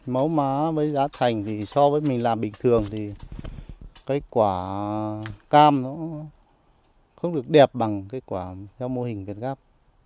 mẫu má với giá thành thì so với mình làm bình thường thì cái quả cam nó không được đẹp bằng cái quả theo mô hình việt gáp